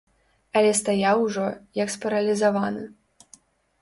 Але стаяў ужо, як спаралізаваны.